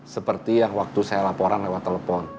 seperti yang waktu saya laporan lewat telepon